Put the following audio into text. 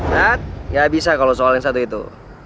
gak bisa kalau soal yang satu itu